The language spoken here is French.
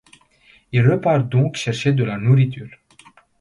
Ils repartent donc chercher de la nourriture.